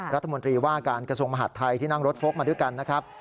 รัฐมนตรีว่าการกระทรวงมหาดไทยที่นั่งรถโฟลกมาด้วยกันนะครับ